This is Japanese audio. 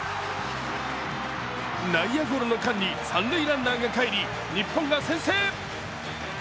内野ゴロの間に三塁ランナーが帰り、日本が先制。